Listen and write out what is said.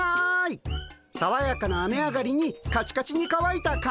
さわやかな雨上がりにカチカチにかわいた乾物はいかが？